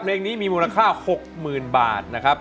เพลงนี้มีมูลค่า๖๐๐๐บาทนะครับ